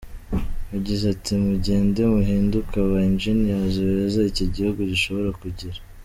Yagize ati “Mugende muhinduke aba Engineers beza iki gihugu gishobora kugira.